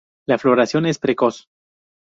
La floración es precoz.